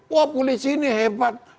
wah polisi ini hebat